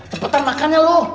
cepetan makannya lu